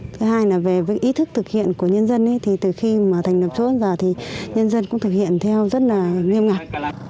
thứ hai là về ý thức thực hiện của nhân dân thì từ khi mà thành lập chốt giờ thì nhân dân cũng thực hiện theo rất là nghiêm ngặt